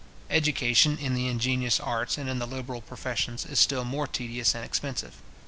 Education in the ingenious arts, and in the liberal professions, is still more tedious and expensive.